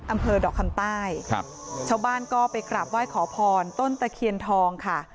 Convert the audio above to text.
อำเภอดอกคำใต้ครับชาวบ้านก็ไปกราบไหว้ขอพรต้นตะเคียนทองค่ะ